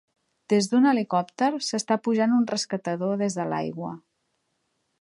Des d'un helicòpter s'està pujant un rescatador des de l'aigua.